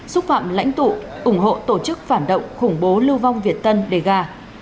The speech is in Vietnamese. xúc phạm lãnh tụ ủng hộ tổ chức phản động khủng bố lưu vong việt tân đề gà